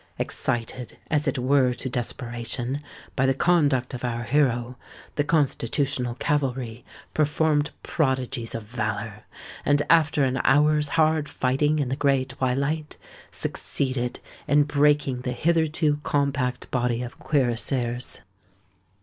Excited, as it were to desperation, by the conduct of our hero, the Constitutional cavalry performed prodigies of valour; and after an hour's hard fighting in the grey twilight, succeeded in breaking the hitherto compact body of cuirassiers.